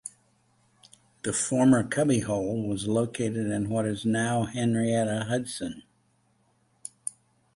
The former Cubby Hole was located in what is now Henrietta Hudson.